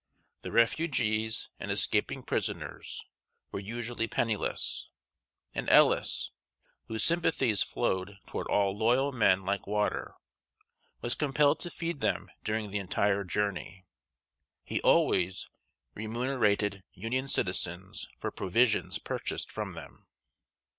The refugees and escaping prisoners were usually penniless, and Ellis, whose sympathies flowed toward all loyal men like water, was compelled to feed them during the entire journey. He always remunerated Union citizens for provisions purchased from them.